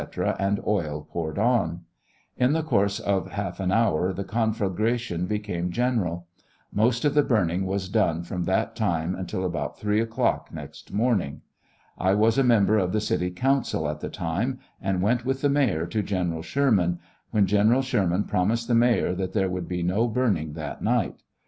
and oil poured on. In the course of a half of an hour the conflagration became general. Most of the burning was done from that time until about 3 o'clock next morning. I was a member of the city council at the time, and went with the mayor to General Sherman, when General Sherman proniised the mayor that there would bo no burning that night.